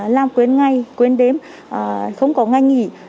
làm quên ngày quên đếm không có ngày nghỉ